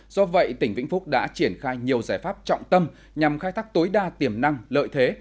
do vậy tỉnh vĩnh phúc đã triển khai nhiều giải pháp trọng tâm nhằm khai thác tối đa tiềm năng lợi thế